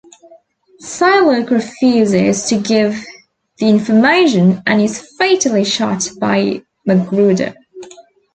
Silook refuses to give the information and is fatally shot by MacGruder.